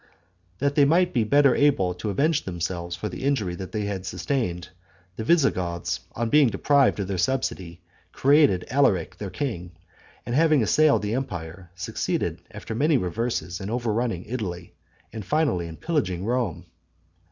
That they might be better able to avenge themselves for the injury they had sustained, the Visigoths, on being deprived of their subsidy, created Alaric their king; and having assailed the empire, succeeded, after many reverses, in overrunning Italy, and finally in pillaging Rome.